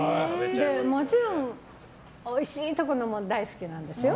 もちろん、おいしいところのも大好きなんですよ。